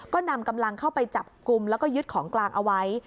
ก็นำกำลังเข้าไปจับกลุ่มแล้วก็ยึดของกลางเอาไว้